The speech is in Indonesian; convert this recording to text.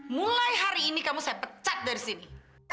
mulai hari ini kamu saya pecat dari sini